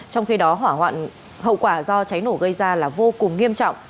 trong khi đó hỏa hoạn hậu quả do cháy nổ gây ra là vô cùng nghiêm trọng